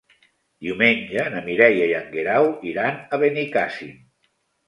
Diumenge na Mireia i en Guerau iran a Benicàssim.